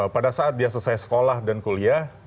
pada saat dia selesai sekolah dan kuliah